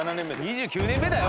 ２９年目だよ！